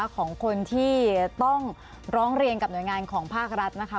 ของคนที่ต้องร้องเรียนกับหน่วยงานของภาครัฐนะคะ